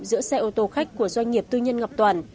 giữa xe ô tô khách của doanh nghiệp tư nhân ngọc toàn